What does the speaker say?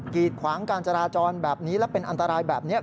ีดขวางการจราจรแบบนี้และเป็นอันตรายแบบนี้